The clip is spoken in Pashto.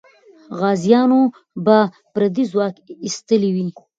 غازیانو به پردی ځواک ایستلی وي.